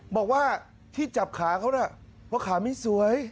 บอกว่าที่จับขาเขาน่ะเพราะขาไม่สวย